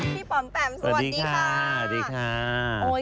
พี่ปำแปมสวัสดีค่ะ